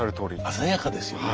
鮮やかですよね。